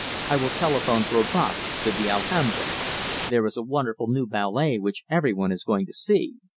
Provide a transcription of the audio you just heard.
"I will telephone for a box to the Alhambra. There is a wonderful new ballet which every one is going to see."